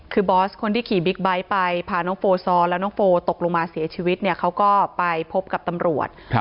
คือบอสคนที่ขี่บิ๊กไบท์ไปพาน้องโฟซอแล้วน้องโฟตกลงมาเสียชีวิตเนี่ยเขาก็ไปพบกับตำรวจ